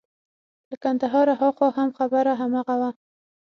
له کندهاره هاخوا هم خبره هماغه وه.